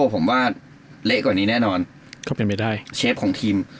ผมว่าเละกว่านี้แน่นอนเชฟของทีม